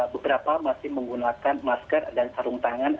beberapa masih menggunakan masker dan sarung tangan